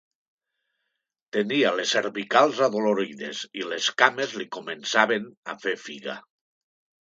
Tenia les cervicals adolorides i les cames li començaven a fer figa.